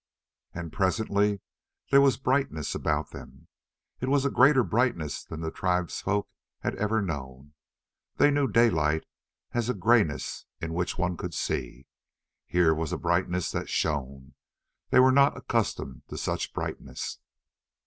And presently there was brightness about them. It was a greater brightness than the tribesfolk had ever known. They knew daylight as a grayness in which one could see. Here was a brightness that shone. They were not accustomed to brightness.